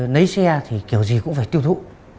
lấy xe thì kiểu gì cũng phải tiêu thụ